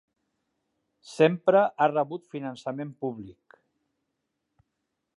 Sempre ha rebut finançament públic.